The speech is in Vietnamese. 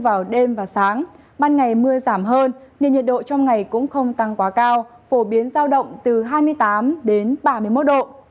vào đêm và sáng ban ngày mưa giảm hơn nên nhiệt độ trong ngày cũng không tăng quá cao phổ biến giao động từ hai mươi tám đến ba mươi một độ